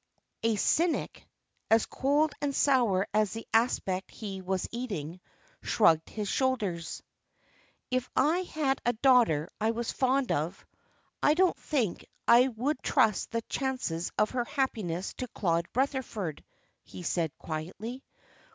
A cynic, as cold and sour as the aspic he was eating, shrugged his shoulders. "If I had a daughter I was fond of, I don't think I would trust the chances of her happiness to Claude Rutherford," he said quietly.